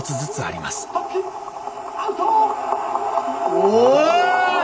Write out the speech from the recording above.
お！